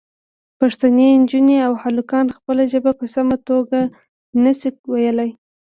پښتنې نجونې او هلکان خپله ژبه په سمه توګه نه شي ویلی.